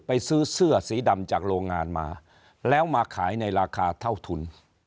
ไปซื้อเสื้อสีดำจากโรงงานมาแล้วมาขายในราคาเท่าทุน